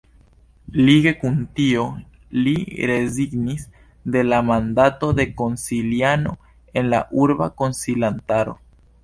Lige kun tio li rezignis de la mandato de konsiliano en la Urba Konsilantaro.